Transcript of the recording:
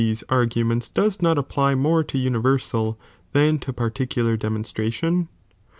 Reply loihe arguments* does not apply more to universal than *°'°' to particular demonstration ?